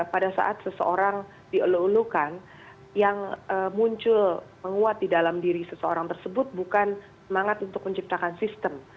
pada saat seseorang dielu ulukan yang muncul menguat di dalam diri seseorang tersebut bukan semangat untuk menciptakan sistem